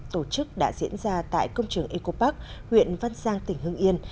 tổ chức đã diễn ra tại công trường eco park huyện văn giang tỉnh hưng yên